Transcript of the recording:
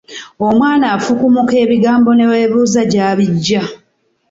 Omwana afukumuka ebigambo ne weebuuza gy’abijja.